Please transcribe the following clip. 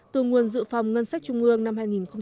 từ nguồn dự phòng ngân sách trung ương năm hai nghìn một mươi bảy